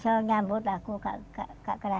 saya tidak kerasa kerja